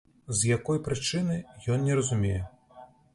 З якой прычыны, ён не разумее.